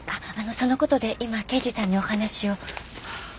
その事で今刑事さんにお話を。